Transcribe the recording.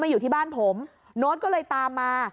อยู่ที่บ้านผมโน้ตก็เลยตามมา